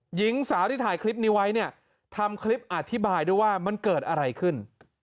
หญิงสาวที่ถ่ายคลิปนี้ไว้เนี่ยทำคลิปอธิบายด้วยว่ามันเกิดอะไรขึ้น